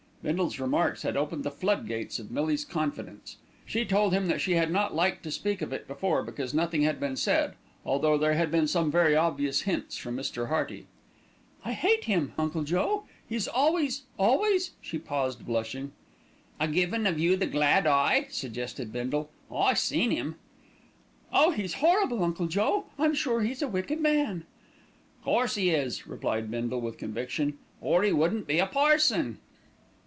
Bindle's remarks had opened the flood gates of Millie's confidence. She told him that she had not liked to speak of it before because nothing had been said, although there had been some very obvious hints from Mr. Hearty. "I hate him, Uncle Joe. He's always always " She paused, blushing. "A givin' of you the glad eye," suggested Bindle. "I seen 'im." "Oh, he's horrible, Uncle Joe. I'm sure he's a wicked man." "'Course 'e is," replied Bindle with conviction, "or 'e wouldn't be a parson."